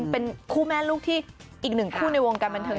เป็นคู่แม่ลูกที่อีกหนึ่งคู่ในวงการบันเทิง